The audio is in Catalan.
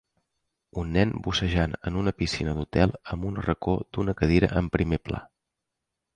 Un nen bussejant en una piscina d'Hotel amb un racó d'una cadira en primer pla